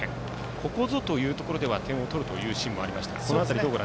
ここぞというところでは点を取る場面もありましたが。